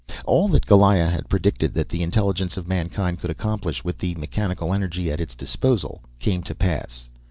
All that Goliah had predicted that the intelligence of mankind could accomplish with the mechanical energy at its disposal, came to pass.